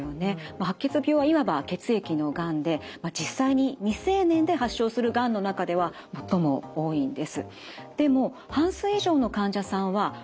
白血病はいわば血液のがんで実際に未成年で発症するがんの中では最も多いんです。